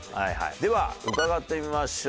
では伺ってみましょう。